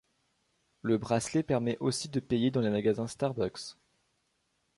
Le bracelet permet aussi de payer dans les magasins Starbucks.